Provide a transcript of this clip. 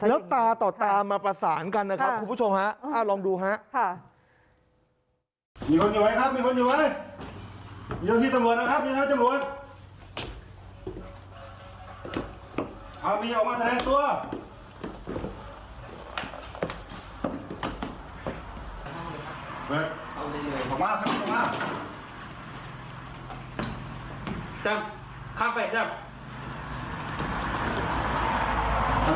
แล้วตาต่อตามาประสานกันนะครับคุณผู้ชมฮะลองดูครับ